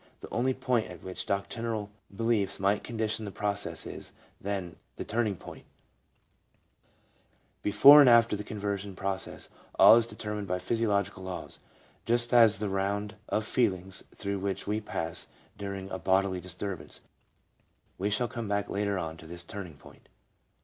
The only point at which doctrinal be liefs might condition the process is, then, the turning point ; before and after the conversion process all is determined by physiological laws, just as the round of feelings through which we pass during a bodily disturbance. We shall come back later on to this turning point.